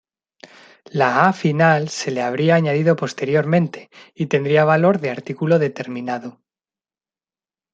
La "-a" final se le habría añadido posteriormente y tendría valor de artículo determinado.